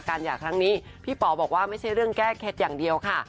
หย่าครั้งนี้พี่ป๋อบอกว่าไม่ใช่เรื่องแก้เคล็ดอย่างเดียวค่ะ